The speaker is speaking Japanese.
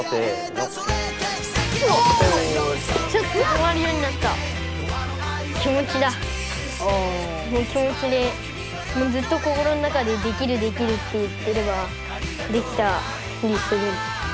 もう気持ちでずっと心の中で「できるできる」って言ってればできたりする。